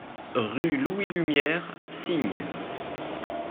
Rue Louis Lumiére, Signes